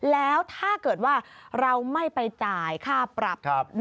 แล้วถ้าเกิดว่าเราไม่ไปจ่ายค่าปรับ